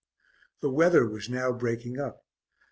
The weather was now breaking up.